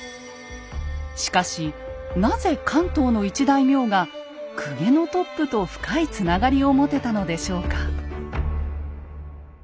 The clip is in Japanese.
しかしなぜ関東の一大名が公家のトップと深いつながりを持てたのでしょうか。